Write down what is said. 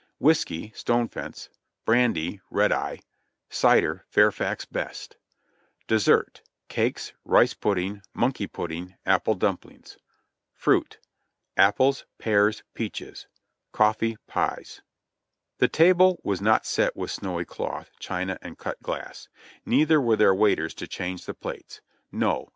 Whiskey (Stone Fence) Brandy (Red Eye) Cider (Fairfax Best) DESSERT Cakes Rice Pudding Monkey Pudding Apple Dumplings FRUIT Apples Pears Peaches Coffee Pies The table was not set with snowy cloth, china and cut glass; neither were there waiters to change the plates. No